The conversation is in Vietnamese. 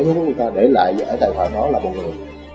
giúp người ta để lại giải tài khoản đó là một người